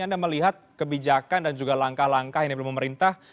anda melihat kebijakan dan juga langkah langkah yang diambil pemerintah